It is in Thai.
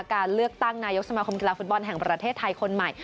การเลือกตั้งนายกสมาคมกีฬาฟุตบอลแห่งประเทศไทยคนใหม่